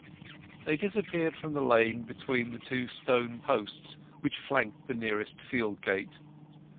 They disappeared from the lane between the two stone posts which flanked the nearest field gate.